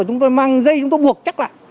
chúng tôi mang dây chúng tôi buộc chắc lại